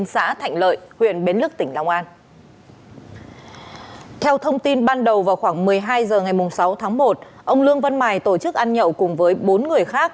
bây giờ ngày sáu tháng một ông lương văn mài tổ chức ăn nhậu cùng với bốn người khác